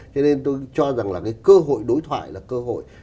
chúng ta cũng cho rằng là cái cơ hội đối thoại là cơ hội